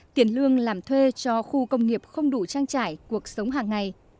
tiền lương làm thuê cho khu công nghiệp không đủ trang trải cuộc sống hàng ngày